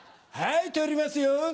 はい撮りますよ。